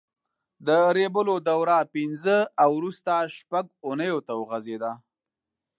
د ریبلو دوره پینځه او وروسته شپږ اوونیو ته وغځېده.